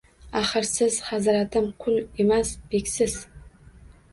Axir, siz… hazratim… qul emas, beksiz…